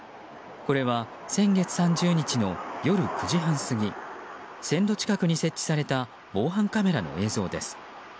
これは先月３０日の夜９時半過ぎ線路近くに設置された防犯カメラの映像です。